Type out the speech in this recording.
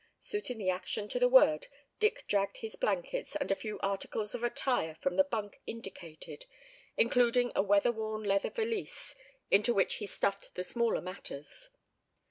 Suiting the action to the word, Dick dragged his blankets and a few articles of attire from the bunk indicated, including a weather worn leather valise into which he stuffed the smaller matters.